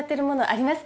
「あります？